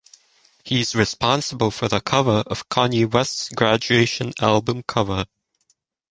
He is responsible for the cover of Kanye wests' Graduation album cover.